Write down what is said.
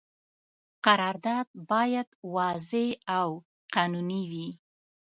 قرارداد باید واضح او قانوني وي.